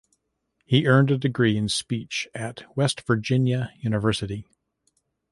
He earned a degree in speech at West Virginia University.